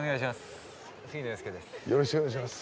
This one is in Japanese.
よろしくお願いします。